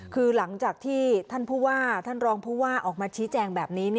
คือหลังจากที่ท่านผู้ว่าท่านรองผู้ว่าออกมาชี้แจงแบบนี้